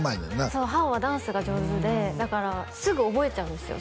そうはおはダンスが上手でだからすぐ覚えちゃうんですよ